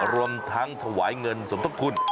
รวมทั้งถวายเงินสมทบทุน